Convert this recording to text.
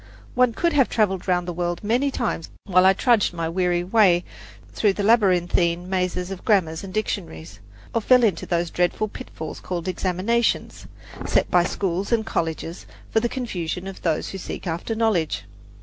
One could have traveled round the word many times while I trudged my weary way through the labyrinthine mazes of grammars and dictionaries, or fell into those dreadful pitfalls called examinations, set by schools and colleges for the confusion of those who seek after knowledge.